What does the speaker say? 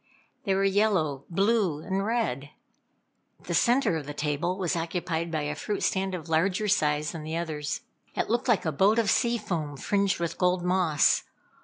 They were yellow, blue and red. The centre of the table was occupied by a fruit stand of larger size than the others. It looked like a boat of sea foam fringed with gold moss.